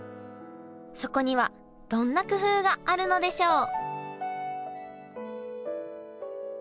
そこにはどんな工夫があるのでしょう？